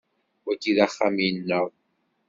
Wagi d axxam-nneɣ.